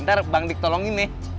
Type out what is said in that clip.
ntar bangdik tolongin ya